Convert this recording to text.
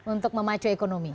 untuk memacu ekonomi